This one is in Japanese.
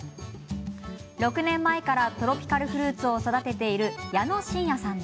６年前からトロピカルフルーツを育てる矢野信也さん。